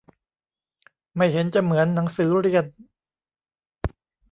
ไม่เห็นจะเหมือนหนังสือเรียน